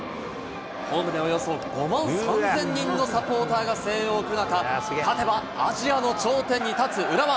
ホームでおよそ５万３０００人のサポーターが声援を送る中、勝てばアジアの頂点に立つ浦和。